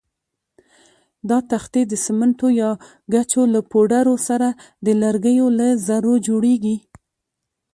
دا تختې د سمنټو یا ګچو له پوډرو سره د لرګیو له ذرو جوړېږي.